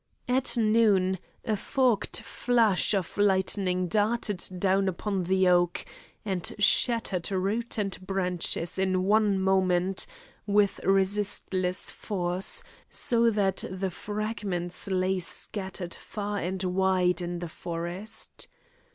At noon, a forked flash of lightning darted down upon the oak, and shattered root and branches in one moment, with resistless force, so that the fragments lay scattered far and wide in the forest.